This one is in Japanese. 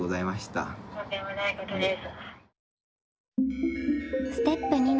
とんでもないことです。